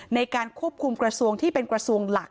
ในการควบคุมกระทรวงที่เป็นกระทรวงหลัก